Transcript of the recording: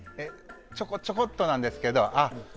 ちょこちょこっとなんですけど。